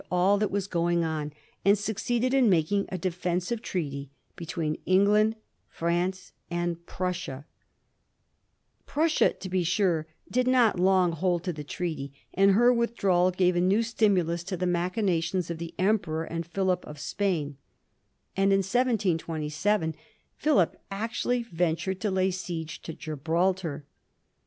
all that was going on, and succeeded in making a de fensive treaty between England, France, and Prussia, Prussia, to be sure, did not long hold to the treaty, and her withdrawal gave a new stimulus to the ma chinations of the Emperor and of Philip of Spain, and in 1727 Philip actually ventured to lay siege to Gibraltar.